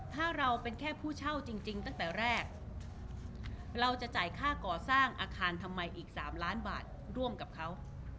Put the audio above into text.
ถ้าเราเป็นแค่ผู้เช่าจริงตั้งแต่แรกเราจะจ่ายค่าก่อสร้างอาคารทำไมอีก๓ล้านบาทร่วมกับเขา